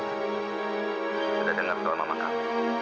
sudah dengar doa mama kamu